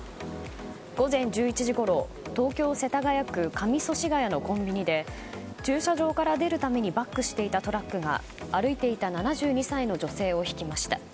午前１１時ごろ東京・世田谷区上祖師谷のコンビニで駐車場から出るためにバックしていたトラックが歩いていた７２歳の女性をひきました。